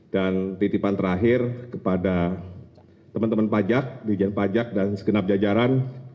dan titipan terakhir kepada teman teman pajak dirjen pajak dan segenap jajaran